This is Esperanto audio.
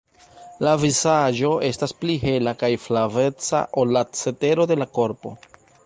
La vizaĝo estas pli hela kaj flaveca ol la cetero de la korpo.